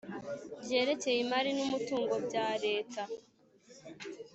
ryerekeye imari n umutungo bya Leta